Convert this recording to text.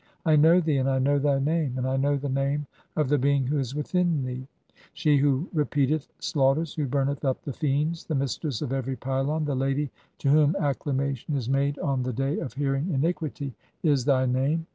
I know thee, and I know "thy name, and (42) I know the name of the being who is "within thee. 'She who repeateth slaughters, who burneth up "the fiends, the mistress of every pylon, the lady to whom ac THE CHAPTER OF THE PYLONS. 249 "clamation is made on the day (43) of hearing iniquity' is thy "name.